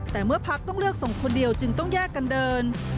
แต่เมื่อพักต้องเลือกส่งคนเดียวจึงต้องแยกกันเดิน